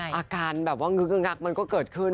อาการแบบว่างึกงักมันก็เกิดขึ้น